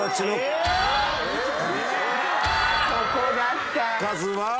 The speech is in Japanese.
そこだった。